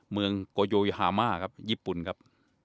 เมืองโกโยฮามาครับญี่ปุ่นครับ